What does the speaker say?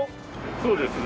そうですね。